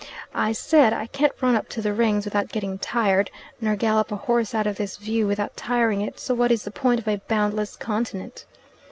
I said, 'I can't run up to the Rings without getting tired, nor gallop a horse out of this view without tiring it, so what is the point of a boundless continent?